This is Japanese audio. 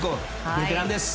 ベテランです。